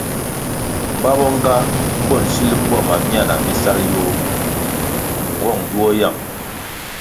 Ba bo nga bo nsil bwama myana mi sal yoh ngwong duo yang.